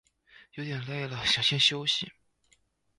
有点累了想先休息